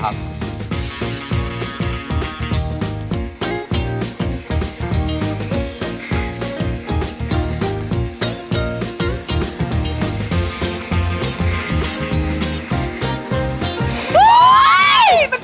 เป็นโฟมมาก